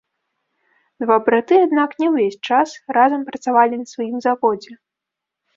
Два браты аднак не ўвесь час разам працавалі на сваім заводзе.